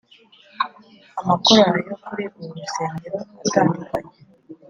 Amakorari yo kuri uru rusengero atandukanye